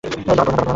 ধরা পড়ো না।